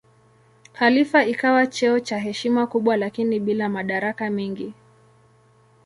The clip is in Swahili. Khalifa ikawa cheo cha heshima kubwa lakini bila madaraka mengi.